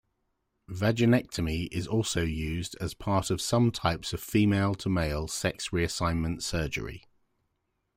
Vaginectomy is also used as part of some types of female-to-male sex reassignment surgery.